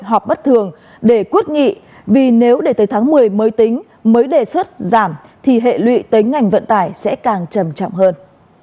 kỳ họp bất thường để quyết nghị vì nếu để tới tháng một mươi mới tính mới đề xuất giảm thì hệ lụy tới ngành vận tải sẽ càng trầm trọng hơn